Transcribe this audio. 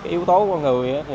yếu tố của người